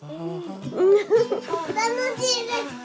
楽しいですか？